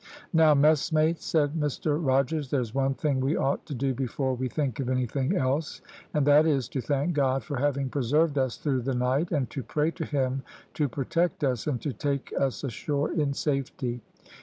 "`Now, messmates,' said Mr Rogers, `there's one thing we ought to do before we think of anything else, and that is, to thank God for having preserved us through the night, and to pray to Him to protect us, and to take us ashore in safety.